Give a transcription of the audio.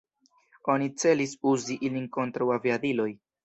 Oni celis uzi ilin kontraŭ aviadiloj.